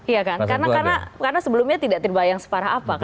iya kan karena sebelumnya tidak terbayang separah apa kan